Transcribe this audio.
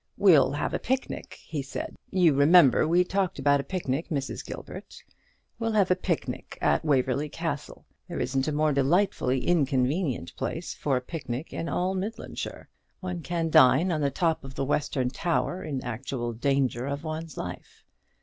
"We'll have a picnic," he said: "you remember we talked about a picnic, Mrs. Gilbert. We'll have a picnic at Waverly Castle; there isn't a more delightfully inconvenient place for a picnic in all Midlandshire. One can dine on the top of the western tower, in actual danger of one's life.